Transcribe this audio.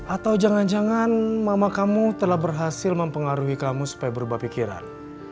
atau jangan jangan mama kamu telah berhasil mempengaruhi kamu supaya berubah pikiran